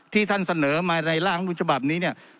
ที่ท่านเสนอมาในร่างฉบับนี้เนี่ย